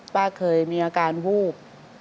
ป้าเคยมีอาการวูบ